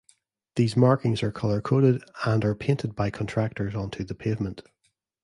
These markings are color-coded, and are painted by contractors onto the pavement.